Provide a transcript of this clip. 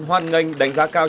hoan nghênh đánh giá cao